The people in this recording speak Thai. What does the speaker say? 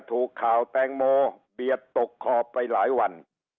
ถูกข่าวแตงโมเบียดตกขอบไปหลายวัน